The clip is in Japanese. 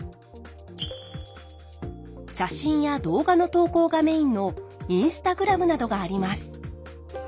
写真や動画の投稿がメインのＩｎｓｔａｇｒａｍなどがあります。